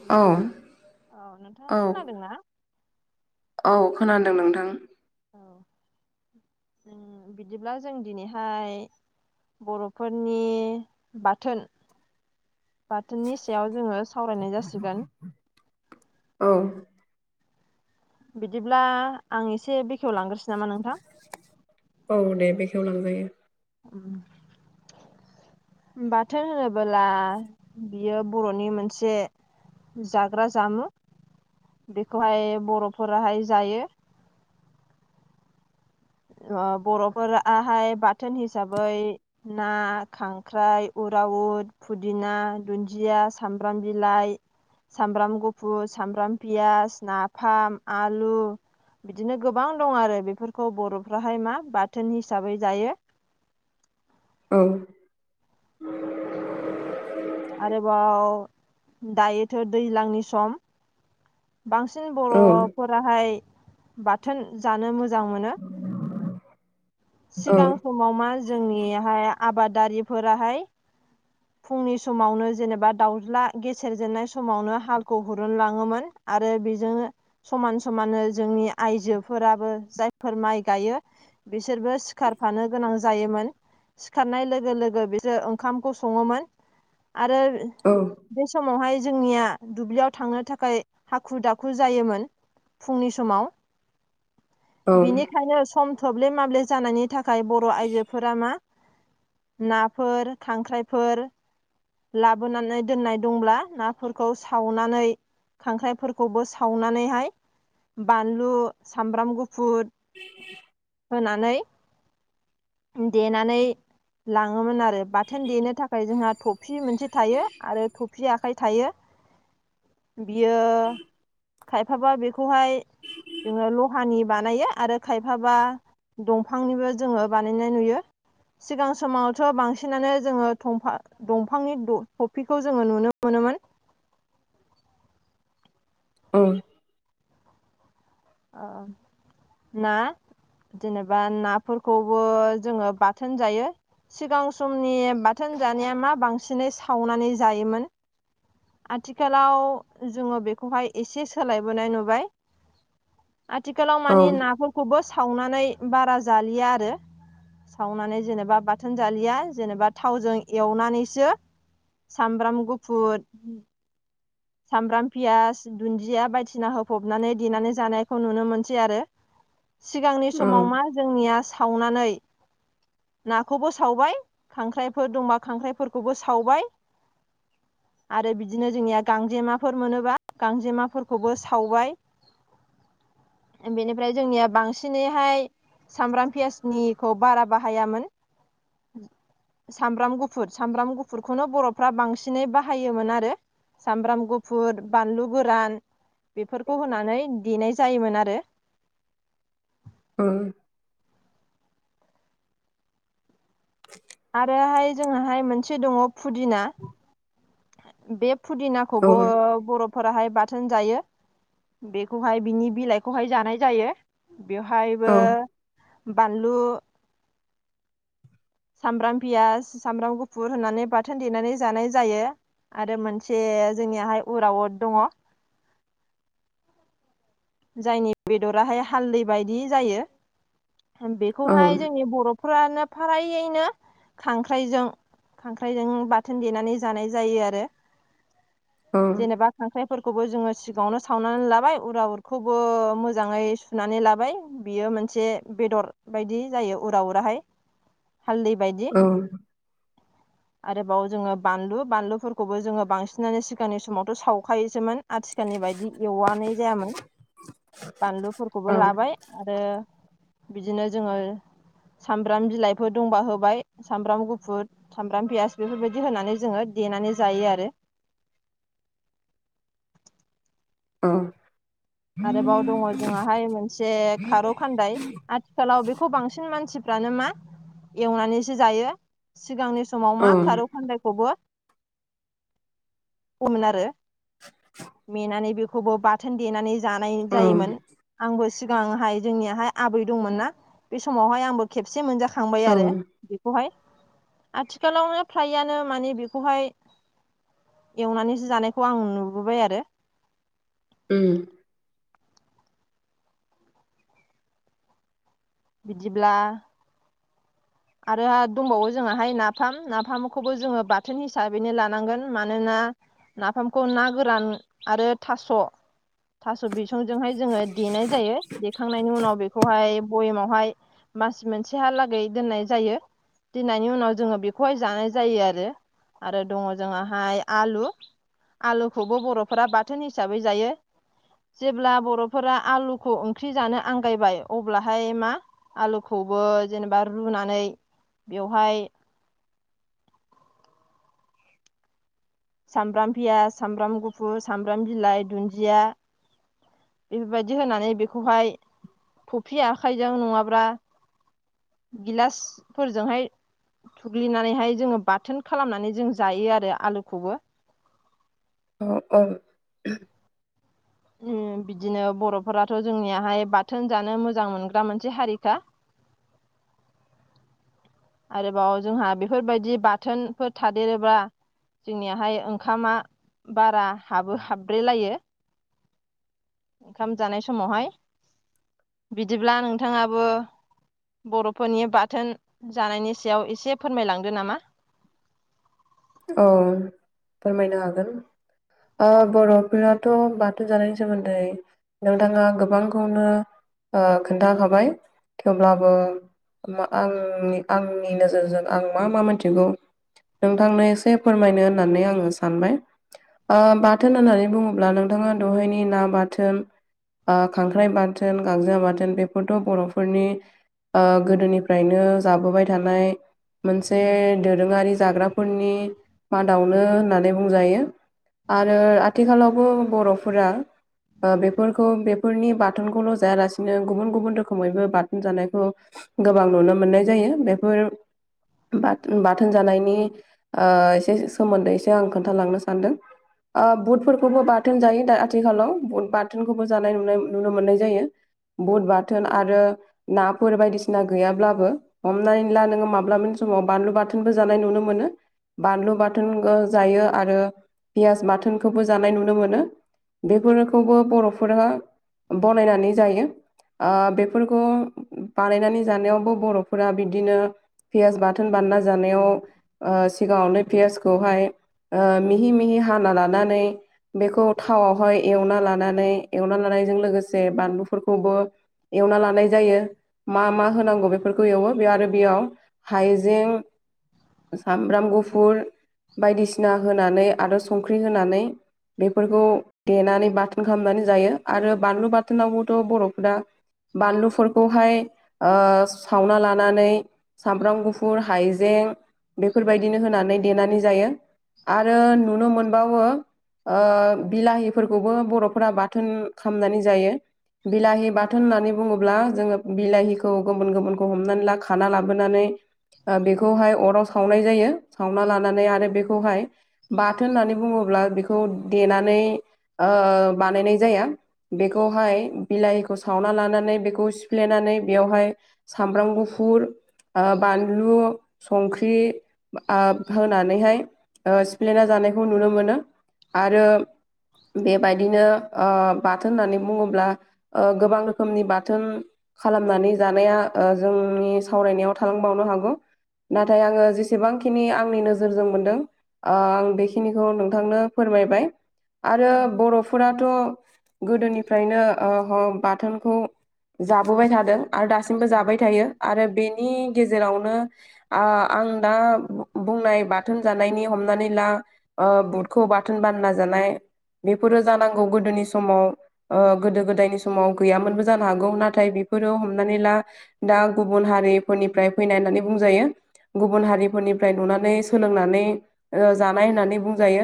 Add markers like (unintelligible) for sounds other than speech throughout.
Hello औ नोंथाङा खोनादोंना औ औ-औ-औ खोनादों नोंथां औ बिदिब्ला जों दिनैहाय बर'फोरनि बाथोन बाथोननि सायाव जोङो सावरायनाय जासिगोन औ बिदिब्ला आं एसे बेखेव लांग्रोसो नामा नोंथां औ दे बेखेवलांजायो (inaudible) बाथोन होनोबोला बियो बर'नि मोनसे जाग्रा जामुं बेखौहाय बर'फोराहाय जायो बर'फोराहाय बाथोन हिसाबै ना खांख्राइ उराउद फुदिना दुन्दिया सामब्राम बिलाइ सामब्राम गुफुर सामब्राम पियास नाफाम आलु बिदिनो गोबां दं आरो बेफोरखौ बर'फ्राहाय मा बाथोन हिसाबै जायो औ आरोबाव दायोथ' दैज्लांनि सम बांसिन औ बर'फोराहाय बाथोन जानो मोजां मोनो। औ सिगां समाव मा जोंनिहाय आबादारिफोराहाय फुंनि समावनो जेनेबा दाउज्ला गेसेेर जेननाय समावनो हालखौ हुनोलाङोमोन‌ आरो बेजोंनो समान समाननो जोंनि आयजोफोराबो जायफोर माइ गायो बिसोरबो सिखारफानो गोनां जायोमोन। सिखारनाय लोगो लोगो बिसोर ओंखामखौ सङोमोन आरो औ बे समावहाय जोंनिया दुब्लियाव थांनो थाखाय हाखु दाखु जायोमोन। फुंनि समाव औ बिनिखायनो सम थोब्ले माब्ले जानायनि था खाय बर' आइजोफोरा मा नाफोर खांख्राइफोर लाबोनानै दोननाय दंब्ला नाफोरखौ सावनानै खांख्राइफोरखौबो सावनानैहाय बानलु सामब्राम गु फुर होनानै देनानै लाङोमोन आरो बाथोन देनो थाखाय जोंहा थब थफसि मोनसे थायो आरो थफसि आखाइ थायो बियो खायफाबा बेखौहाय जोङो लहानि बानायो आरो खायफाबा दं फांनिबो जोङो बानायनाय नुयो सिगां समावथ' बांसिनानो जोङो थंफा दंफांनि थफिखौ जोङो नुनो मोनोमोन। औ अ ना जेनेबा नाफोरखौबो जोङो बाथोन जायो। सिगां समनि बाथोन जानाया मा बांसिनै सावनानै जायोमोन। आथिखालाव जोङो बेखौहाय एसे सोलायबोनाय नुबाय। आथिखालाव औ माने नाफोरखौबो सावनानै बारा जालिया आरो। सावनानै जेनेबा बाथोन जालिया जेनेबा थावजों एवनानैसो सामब्राम गुफुर सामब्राम पियास दुन्दिया बायदिसिना होफबनानै देनानै जानायखौ नुनो मोनसै आरो। सिगांनि समाव मा जोंनिया सावनानै नाखौबो सावबाय खांख्राइफोर दंबा खांख्राइफोरखौबो सावबाय आरो बिदिनो जोंनिया गांजेमाफोर मोनोबा गांजेमाफोरखौबो सावबाय बेनिफ्राय जोंनिया बांसिनैहाय सामब्राम पियासनिखौ बारा बाहायामोन सामब्राम गुफुर सामब्राम गुफुरखौनो बर'फ्रा बांसिनै बाहायोमोन आरो। सामब्राम गुफुर बानलु गोरान बेफोरखौ होनानै देनाय जायोमोन आरो। ओ आरोहाय जोंहाहाय मोनसे दङ फुदिना बे फुदिना खौबो बर' फोराहाय बाथोन जायो बेखौहाय बिनि बिलाइखौहाय जानाय जायो। बेवहायबो बानलु सामब्राम पियास सामब्राम गुफुर होननानै बाथोन देनानै जानाय जायो। आरो मोनसे जोंनियाहाय उराउद दङ। जायनि बेदराहाय हालदै बायदि जायो औ बेखौहाय जोंनि बर' फ्रानो फारैनो खांख्राइजों खांख्राइजों बाथोन देनानै जानाय जायो आरो। औ जेनेबा खांख्राइफोरखौबो जोङो सिगाङावनो सावनानै लाबाय उराउद खौबो मोजाङै सुनानै लाबाय बियो मोनसे बेदर। बायदि जायो उरा उराहाय हालदै बायदि। औ आरोबाव जोङो बानलु बानलुफोरखौबो जोङो बांसिनानो सिगांनि समावथ' सावखायोसोमोन आथिखालनि बायदि एवनाय जायामोन बानलुफोरखौबो लाबाय आरो बिदिनो जोङो सामब्राम बिलाइफोर दंबा होबाय सामब्राम गुफुर सामब्राम पियास बेफोरबायदि होनानै जोङो देनानै जायो आरो ओ आरोबाव दङ जोंहा हाय मोनसे खारौ खान्दाय आथिखालाव बेखौ बांसिन मानसि फोरानो मा एवनानैसो जायो सिगांनि समाव मा खारौ फानदायखौबो मोन (unintelligible) आरो नेेनानै बेखौबो बाथोन देनानै जानाय जायोमोन आंबो सिगांहाय जोंनियाहाय आबै दंमोन ना बे समावहाय आंबो खेबसे मोनजाखांबाय आरो बेखौहाय आथिखालावनो फ्रायानो माने बेखौहाय एवनानैसो जानायखौ आं नुबोबाय आरो उम बिदिब्ला आरो दंबावो जोंहा हाय नाफाम नाफामखौबो जोङो बाथोन हिसाबैनो लानांगोन मानोना नाफामखौ ना गोरान आरो थास' थास' बिसंजोंहाय जोङो देनाय जायो देखांनायनि उनाव बे खौहाय बयमावहाय मास मोनसेहालै दोनाय जायो दिनि उनाव जोङो बेखौहाय जानाय जायो आरो आरो दङ जोंहाहाय आलु आलुखौबो बर'फोरा बाथोन हिसाबै जायो जेब्ला बर'फोरा आलुखौ ओंख्रि जानो आंगायबाय अब्लाहाय मा आलुखौबो जेनेबा रुनानै बेवहाय सामब्राम पियास सामब्राम गुफुर सामब्राम बिलाइ दुन्दिया बेफोरबायदि होनानै बेखौहाय थ'फि आखाइजों नङाब्ला गिलासफोरजोंहाय थुग्लिनानैहाय जोङो बाथोन खालामनानै जों जायो आरो आलुखौबो अ औ उम बिदिनो बर'फोराथ' जोंनियाहाय बाथोन जानो मोजां मोनग्रा मोनसे हारिखा आरोबाव जोंहा बेफोरबायदि बाथोनफोर थादेरोब्ला जोंनियाहाय ओंखामा बारा हाबो हाब्रेलायो ओंखाम जानाय समावहाय बिदिब्ला नोंथाङाबो बर'फोरनि बाथोन जानायनि सायाव एसे फोरमायलांदो नामा औ फोरमायनो हागोन ओ बर'फोराथ' बाथोन जानायनि सोमोन्दै नोंथाङा गोबांखौनो ओ खोन्थाखाबाय थेवब्लाबो आंनि आंनि नोजोरजों आं मा मा मोनथिगौ नोंथांनो एसे फोरमायनो होननानै आङो सानबाय आ बाथोन होननानै बुङोब्ला नोंथाङा दहायनि ना बाथोन ओ खांख्राइ बाथोन गांजेमा बाथोन बेफोरथ' बर'फोरनि ओ गोदोनिफ्रायनो जाबोबाय थानाय मोनसे दोरोङारि जाग्राफोरनि मादावनो होननानै बुंजायो आरो आथिखालावबो बर'फोरा ओ बेफोरखौ बेफोरनि बाथोनखौल' जायालासिनो गुबुन गुबुन रोखोमैबो बाथोन जानायखौ गोबां नुनो मोननाय जायो बेफोर बाथोन जानायनि ओ एसे सोमोन्दै एसे आं खोन्थालांनो सानदों ओ बुदफोरखौबो बाथोन जायो दा आथिखालाव बुद बाथोनखौबो जानाय नुनाय नुनो मोननाय जायो बुद बाथोन आरो नाफोर बायदिसिना गैयाब्लाबो हमनानै ला नोंङो माब्लाबानि समाव बानलु बाथोनबो जानाय नुनो मोनो बानलु बाथोन जायो आरो पियास बाथोनखौबो जानाय नुनो मोनो बेफोरखौबो बर'फोरा बनायनानै जायो। बेफोरखौ बानायनानै जानायावबो बर'फोरा बिदिनो पियास बाथोन बानायना जानायाव सिगांङावनो पियासखौहाय मिहि मिहि हाना लानानै बेखौ थावाव हाय एवना लानानै एवना लानायजों लोगोसे बानलुफोरखौबो एवना लानाय जायो मा मा होनांगौ बेफोरखौ एवो बे आरो बेयाव हाइजें सामब्राम गुफुर बायदिसिना होनानै आरो संख्रि होनानै बेफोरखौ देनानै बाथोन खालामनानै जायो आरो बानलु बाथोनावबोथ' बर'फोरा बानलुफोरखौहाय सावना लानानै सामब्राम गुफुर हाइजें फोरबायदिनो होनानै देनानै जायो आरो नुनो मोनबावो बिलाहिफोरखौबो बर'फोरा बाथोन खालामामनानै जायो। बिलाहि बाथोन होननानै बुङोब्ला जोंङो बिलाहिखौ गुबुन गुबुनखौ हमनानै ला खाना लाबोनानै बेखौहाय अराव सावनाय जायो सावना लानानै आरो बेखौहाय बाथोन होननानै बुंङोब्ला बेखौ देनानै बानायनाय जाया बेखौहाय बिलाहिखौ सावना लानानै बेखौ सिफ्लेनानै बेवहाय सामब्राम गुफुर बानलु संख्रि होनानैहाय सिफ्लेना जानायखौ नुनो मोनो आरो बेबायदिनो बाथोन होननानै बुंङोब्ला गोबां रोखोमनि बाथोन खालामनानै जानाया जोंनि सावरायनायाव थालांबावनो हागौ नाथाय आंङो जेसेबांखिनि आंनि नोजोरजों मोनदों। आं बेखिनिखौ नोंथांनो फोरमायबाय आरो बर'फोराथ' गोदोनिफ्रायनो बाथोनखौ जाबोबाय थादों। आरो दासिमबो जाबाय थायो आरो बेनि गेजेरावनो आं दा बुंनाय बाथोन जानायनि हमनानै ला बुटखौ बाथोन बानायना जानाय बेफोरो जानांगौ गोदोनि समाव गोदो गोदायनि समाव गैयामोनबो जानो हागौ नाथाय बेफोरो हमनानै ला दा गुबुन हारिफोरनिफ्राय फैनाय होननानै बुंजायो। गुबुन हारिफोरनिफ्राय नुनानै सोलोंनानै जानाय होननानै बुंजायो।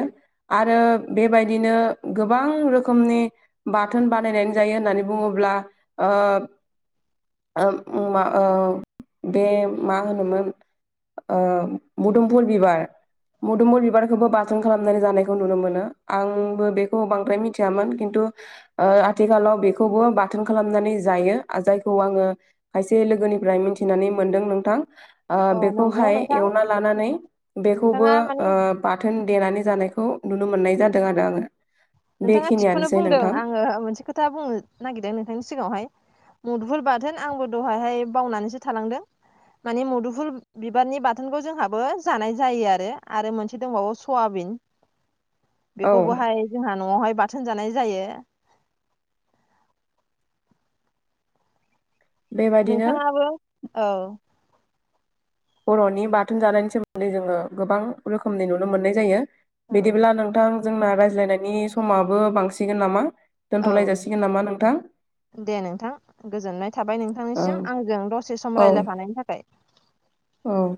आरो बेबायदिनो गोबां रोखोमनि बाथोन बानायनानै जायो होननानै बुंङोब्ला ओ मा बे मा होनोमोन मुदुमफुर बिबार मुदुमफुर बिबारखौबो बासन खालामनानै जानायखौ नुनो मोनो आंबो बेखौ बांद्राय मिथियामोन खिन्थु आथिखालाव बेखौबो बाथोन खालामनानै जायो जायखौ आंङो खायसे लोगोनिफ्राय मिथिनानै मोनदों नोंथां अ नंगौ फाय नोंथां एवना जानानै बेखौबो नोंथाङा ओ माने बाथोन देनानै जानायखौ नुनो मोननाय जादों आरो आंङो नोंथांङा थिगखौनो बुंदों आंङो मोनसे खोथा बुंनो नागिरदों नोंथांनि सिगांङावहाय मुदुर बाथोन आंबो दहायहाय बावनानैसो थालांदों। मानिे मुदुफुल बिबारनि बाथोनखौ जोंहाबो जानाय जायो आरो आरो मोनसे दंबावो सयाबिन औ बेखौबोहाय जोंहा न'आवहाय बाथोन जानाय जायो। बेबायदिनो नोंथांङाबो औ बर'नि बाथोन जानायनि सोमोन्दै जोङो गोबां रोखोमनि नुनो मोननाय जायो। औ बिदिब्ला नोंथां जोंना रायज्लायनायनि समाबो बांसिगोन नामा? दोनथलायजा औ सिगोन नामा नोंथां दे नोंथां गोजोननाय थाबाय औ नोंथांनिसिम आंजों दसे सम औ रायज्लायफानायनि थाखाय औ